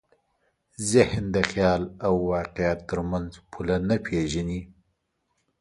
ذهن د خیال او واقعیت تر منځ پوله نه پېژني.